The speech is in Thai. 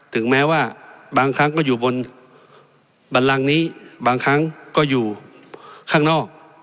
ถึงแม้ว่าบางครั้งก็อยู่บนบันลังนี้บางครั้งก็อยู่ข้างนอก